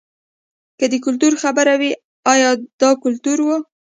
که د کلتور خبره وي ایا دا کلتور و.